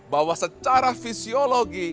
bahwa secara fisiologi